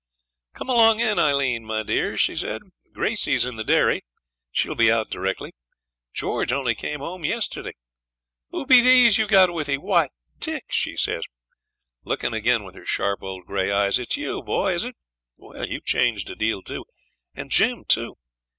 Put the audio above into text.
'Come along in, Aileen, my dear,' she said. 'Gracey's in the dairy; she'll be out directly. George only came home yesterday. Who be these you've got with ye? Why, Dick!' she says, lookin' again with her sharp, old, gray eyes, 'it's you, boy, is it? Well, you've changed a deal too; and Jim too.